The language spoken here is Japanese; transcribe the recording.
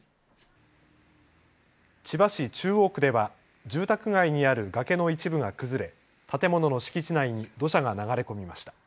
千葉市中央区では住宅街にある崖の一部が崩れ建物の敷地内に土砂が流れ込みました。